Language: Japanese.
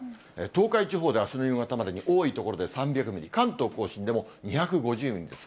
東海地方ではあすの夕方まで多い所で３００ミリ、関東甲信でも２５０ミリです。